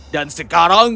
dan sekarang kau akan